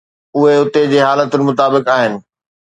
اهي اتي جي حالتن مطابق آهن.